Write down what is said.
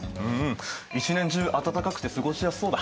一年中暖かくて過ごしやすそうだ。